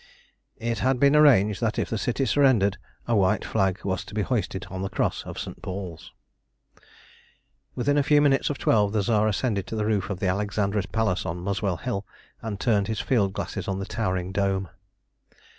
It had been arranged that if the city surrendered a white flag was to be hoisted on the cross of St. Paul's. Within a few minutes of twelve the Tsar ascended to the roof of the Alexandra Palace on Muswell Hill, and turned his field glasses on the towering dome.